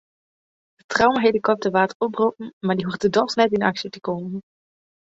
De traumahelikopter waard oproppen mar dy hoegde dochs net yn aksje te kommen.